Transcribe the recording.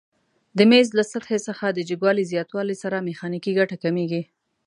د میز له سطحې څخه د جګوالي زیاتوالي سره میخانیکي ګټه کمیږي؟